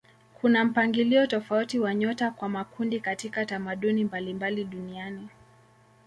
Kuna mpangilio tofauti wa nyota kwa makundi katika tamaduni mbalimbali duniani.